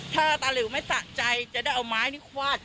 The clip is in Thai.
ถ้าตาหลิวไม่สะใจจะได้เอาไม้นี่ควาด